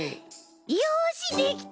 よしできた！